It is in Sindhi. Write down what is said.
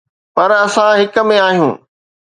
پر اسان هڪ ۾ آهيون.